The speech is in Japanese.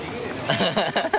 アハハハ。